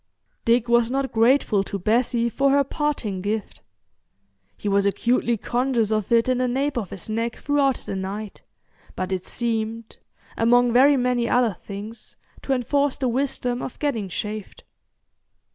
Dick was not grateful to Bessie for her parting gift. He was acutely conscious of it in the nape of his neck throughout the night, but it seemed, among very many other things, to enforce the wisdom of getting shaved.